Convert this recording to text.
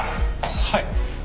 はい。